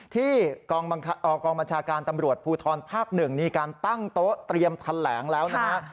ที่กองบัญชาการตำรวจภูทรภาค๑มีการตั้งโต๊ะเตรียมแถลงแล้วนะฮะ